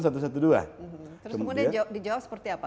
terus kemudian dijawab seperti apa